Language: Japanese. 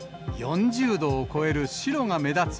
４０度を超える白が目立つ